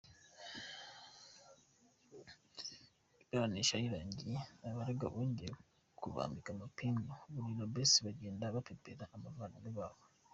Iburanisha rirangiye abaregwa bongeye kubambika amapingu burira bus bagenda bapepera abavandimwe babo.